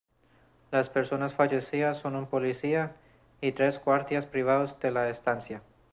Las personas fallecidas son un polícia, y tres guardias privados de la estancia.